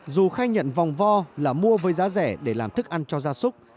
dù khai nhận vòng vo là mua với giá rẻ để làm thức ăn cho gia súc